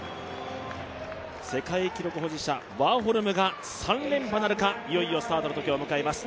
世界記録保持者ワーホルムが３連覇なるかいよいよスタートの時を迎えます。